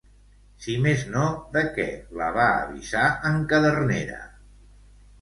Si més no, de què la va avisar en Cadernera?